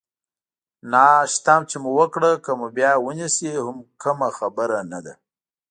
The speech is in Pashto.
ناشته چې مو وکړه، که مو بیا ونیسي هم کومه خبره نه ده.